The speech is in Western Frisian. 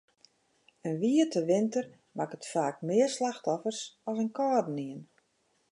In wiete winter makket faak mear slachtoffers as in kâldenien.